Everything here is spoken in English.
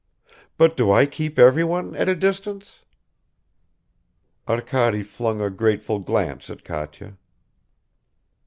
But do I keep everyone at a distance?" Arkady flung a grateful glance at Katya.